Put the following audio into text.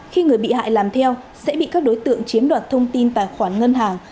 khi người bị hại làm theo sẽ bị các đối tượng chiếm đoạt thông tin tài khoản ngân hàng